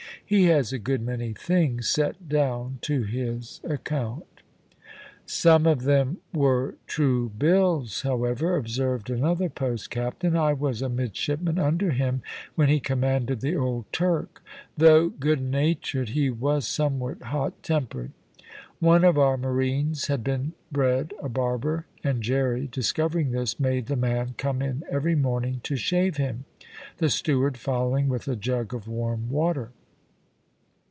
He has a good many things set down to his account." "Some of them were true bills, however," observed another post captain. "I was a midshipman under him when he commanded the old Turk. Though good natured he was somewhat hot tempered. One of our marines had been bred a barber, and Jerry, discovering this, made the man come in every morning to shave him, the steward following with a jug of warm water.